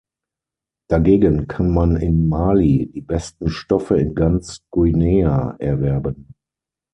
Dagegen kann man in Mali die besten Stoffe in ganz Guinea erwerben.